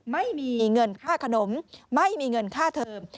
ไม่มีเงินค่าขนมไม่มีเงินค่าเทอม